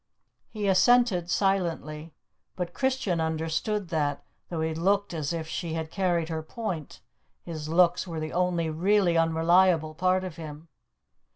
He assented silently; but Christian understood that, though he looked as if she had carried her point, his looks were the only really unreliable part of him.